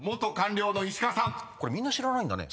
これみんな知らないんだね。